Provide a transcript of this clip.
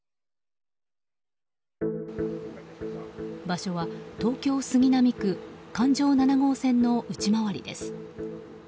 場所は東京・杉並区環状７号線の内回りです。